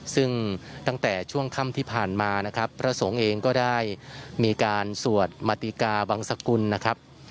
ซึ่งตั้งแต่ช่วงค่ำที่ผ่านมานะครับพระสงฆ์เองก็ได้มีการสวดมาติกาบังสกุลนะครับ